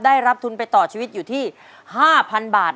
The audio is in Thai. ได้รับทุนไปต่อชีวิตอยู่ที่๕๐๐๐บาท